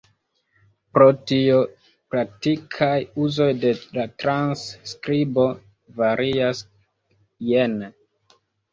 Pro tio, praktikaj uzoj de la transskribo varias jene.